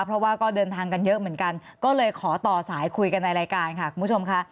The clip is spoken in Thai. เพราะว่าก็เดินทางกันเยอะเหมือนกันก็เลยขอต่อสายคุยกันในรายการค่ะคุณผู้ชมค่ะ